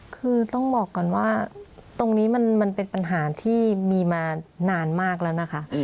คือต้องบอกก่อนว่าตรงนี้มันเป็นปัญหาที่มีมานานมากแล้วนะคะ